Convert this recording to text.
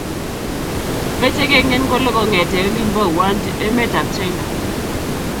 meche kengen kole kongete olin bo Wuhan emetab china